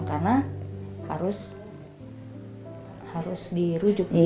karena harus dirujuk gitu